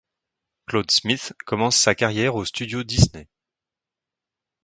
Claude Smith commence sa carrière aux Studios Disney.